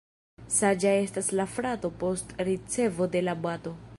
Saĝa estas la frato post ricevo de la bato.